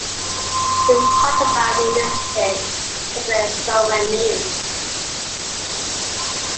We talked about revisiting it, taking it somewhere new.